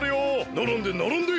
ならんでならんで！